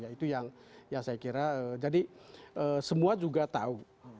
ya itu yang saya kira jadi semua juga tahu